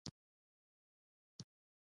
د هر کار خوند د هغه په پيل کولو کې دی.